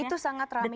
itu sangat rame sekali